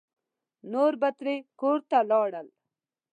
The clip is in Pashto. نور به ترې کور ته لاړل.